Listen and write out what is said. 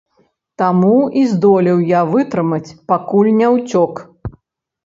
Таму і здолеў я вытрымаць, пакуль не ўцёк.